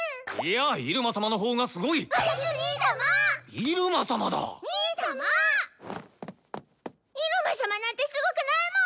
イルマ様なんてすごくないもん！